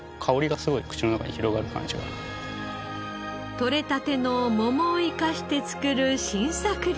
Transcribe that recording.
とれたての桃を生かして作る新作料理。